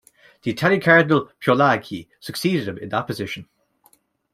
The Italian Cardinal Pio Laghi succeeded him in that position.